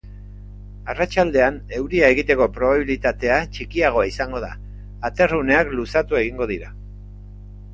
Arratsaldean euria egiteko probabilitatea txikiagoa izango da, aterruneak luzatu egingo dira.